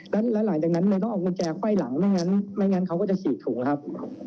แล้วหลังจากนั้นมันต้องเอากุญแจไขว้หลังไม่งั้นไม่งั้นเขาก็จะฉีกถุงครับ